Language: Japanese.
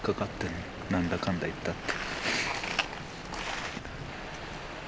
なんだかんだ言ったって。